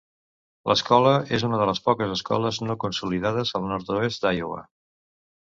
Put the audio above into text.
L'escola és una de les poques escoles no consolidades al nord-oest d'Iowa.